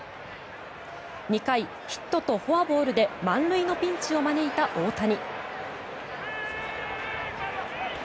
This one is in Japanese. ２回、ヒットとフォアボールで満塁のピンチを招いた大谷。